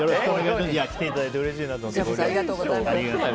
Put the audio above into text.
来ていただいてうれしいなと思って。